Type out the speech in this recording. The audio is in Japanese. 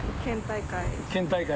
県大会。